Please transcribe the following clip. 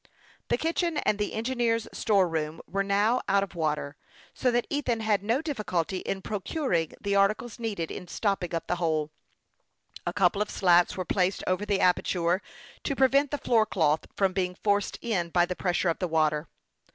The kitchen and the engineer's store room were now out of water, so that Ethan had no difficulty in procuring the articles needed in stopping up the hole. 144 HASTE AND WASTE, OR A couple of slats were placed over the aperture to prevent the floor cloth from being forced in by the pressure of the water.